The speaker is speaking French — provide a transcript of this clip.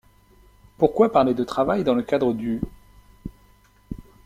Pourquoi parler de travail dans le cadre du ?